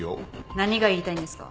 何が言いたいんですか？